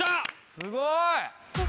すごい。